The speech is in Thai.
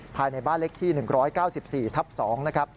ภายในบ้านเล็กที่๑๙๔ทับ๒นะครับ